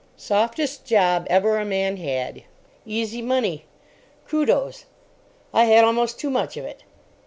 Softest job ever a man had. Easy money. Kudos—I had almost too much of it.